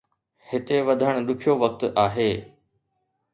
هتي وڌڻ ڏکيو وقت آهي.